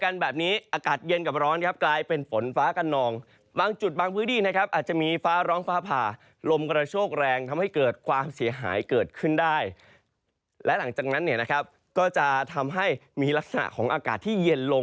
และหลังจากนั้นก็จะทำให้มีลักษณะของอากาศที่เย็นลง